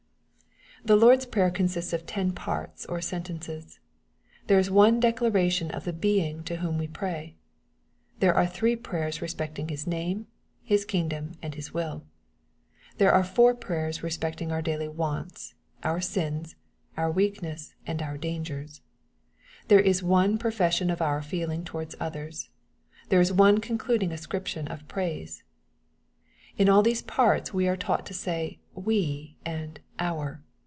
The Lord's prayer consists of ten parts or sentences. There is one declaration of the Being to whom we pray. — There are three prayers respecting His name, His kingdom, and His will. — There are four prayers respect ing our daily wants, our sins, our weakness, and our dangers. — There is one profession of our feeling towards others. — There is one concluding ascription of praise. — In all these parts we are taught to say " we," and " our."